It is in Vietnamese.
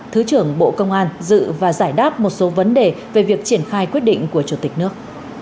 thứ trưởng bộ công an dự và giải đáp một số vấn đề về việc triển khai quyết định của chủ tịch nước